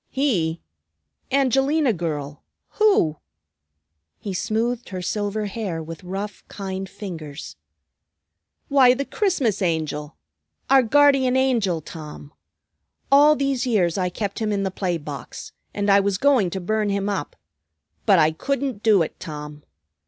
"He? Angelina girl, who?" He smoothed her silver hair with rough, kind fingers. "Why, the Christmas Angel; our Guardian Angel, Tom. All these years I kept him in the play box, and I was going to burn him up. But I couldn't do it, Tom.